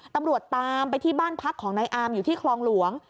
ตามไปที่บ้านพักของนายอามอยู่ที่คลองหลวง